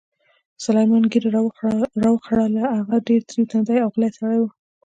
سلمان ږیره را وخروله، هغه ډېر تریو تندی او غلی سړی و.